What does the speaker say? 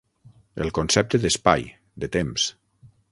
El concepte d'espai, de temps.